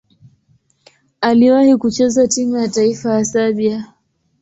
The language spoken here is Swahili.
Aliwahi kucheza timu ya taifa ya Serbia.